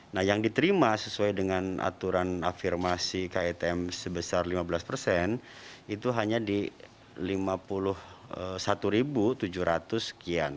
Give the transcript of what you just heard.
nah yang diterima sesuai dengan aturan afirmasi kitm sebesar lima belas persen itu hanya di lima puluh satu tujuh ratus sekian